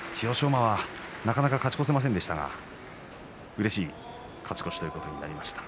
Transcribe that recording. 馬は、なかなか勝ち越せませんでしたがうれしい勝ち越しとなりました。